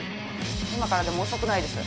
今からでも遅くないです。